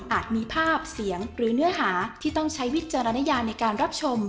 มีภาพเสียงหรือเนื้อหาที่ต้องใช้วิจารณญาในการรับชม